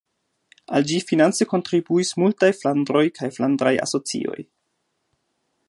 Al ĝi finance kontribuis multaj flandroj kaj flandraj asocioj.